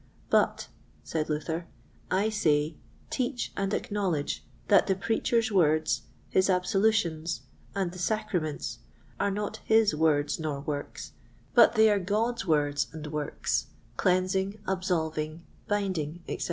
But," said Luther, "I say, teach and acknowledge that the Preacher's words, his absolutions, and the sacraments, are not his words nor works, but they are God's words, works, cleansing, absolving, binding, etc.